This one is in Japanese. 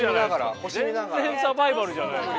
全然サバイバルじゃないよ。